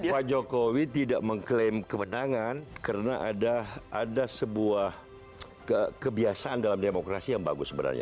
pak jokowi tidak mengklaim kemenangan karena ada sebuah kebiasaan dalam demokrasi yang bagus sebenarnya